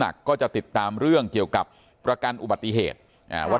ก็จะติดตามเรื่องเกี่ยวกับประกันอุบัติเหตุว่า